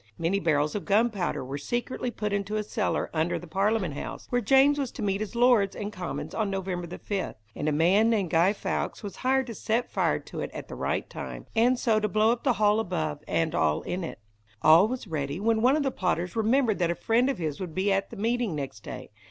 Many barrels of gunpowder were secretly put into a cellar under the Parliament House, where James was to meet his lords and commons on November 5; and a man named Guy Fawkes was hired to set fire to it at the right time, and so to blow up the hall above, and all in it. All was ready, when one of the plotters remembered that a friend of his would be at the meeting next day.